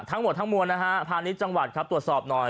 ทั้งหมดทั้งมวลนะฮะพาณิชย์จังหวัดครับตรวจสอบหน่อย